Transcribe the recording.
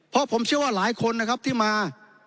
เพราะผมเชื่อว่าหลายคนนะครับที่มา